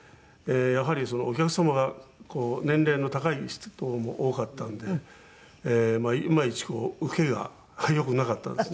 やはりお客様が年齢の高い人も多かったんでいまいちウケがよくなかったんですね。